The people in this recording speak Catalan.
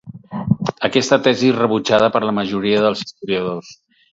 Aquesta tesi és rebutjada per la majoria dels historiadors.